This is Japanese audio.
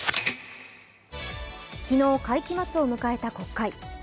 昨日、会期末を迎えた国会。